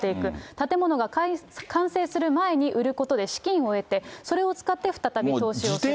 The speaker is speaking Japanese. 建物が完成する前に売ることで資金を得て、それを使って、再び投資をすると。